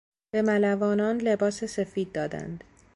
به ملوانان لباس سفید دادند.